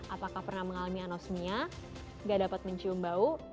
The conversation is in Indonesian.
apakah pernah mengalami anosmia gak dapat mencium bau